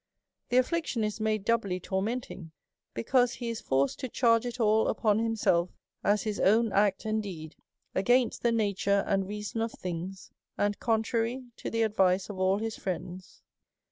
The affliction is made doubly tormenting, because he is forced to charge it ail upon himself as his own act and deed, against the nature and reason of things, and contrary to the advice of all his friends.